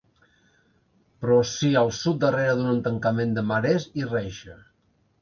Però sí al sud darrere d'un tancament de marès i reixa.